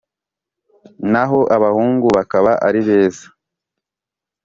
naho abahungu bakaba ari beza